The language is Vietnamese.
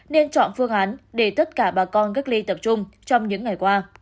nên chọn phương án để tất cả bà con cách ly tập trung trong những ngày qua